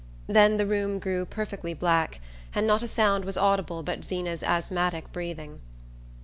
Then the room grew perfectly black, and not a sound was audible but Zeena's asthmatic breathing.